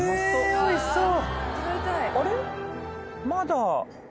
えおいしそう。